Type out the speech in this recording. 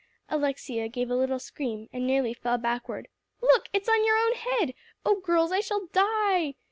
Alexia gave a little scream, and nearly fell backward. "Look it's on your own head! Oh, girls, I shall die."